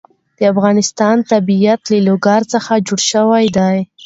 د افغانستان طبیعت له لوگر څخه جوړ شوی دی.